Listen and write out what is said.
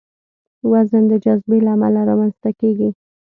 وزن د جاذبې له امله رامنځته کېږي.